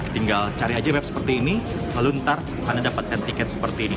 tinggal cari aja web seperti ini lalu ntar anda dapatkan tiket seperti ini